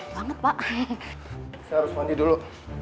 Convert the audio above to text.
saya harus mandi dulu